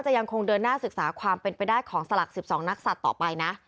ยังคงเดินหน้าศึกษาความเป็นไปได้ของสลัก๑๒นักศัตว์ต่อไปนะ